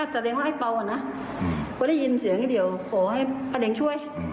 แสดงไว้เบ๋าอ่ะนะเพราะได้ยินเสียงเดี๋ยวขอให้ประแรงช่วย